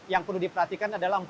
yang perlu diperhatikan adalah